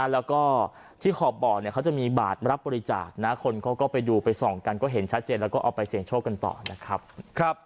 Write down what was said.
แล้วก็ที่ขอบบ่อเขาจะมีบาทรับบริจาคนะคนเขาก็ไปดูไปส่องกันก็เห็นชัดเจนแล้วก็เอาไปเสี่ยงโชคกันต่อนะครับ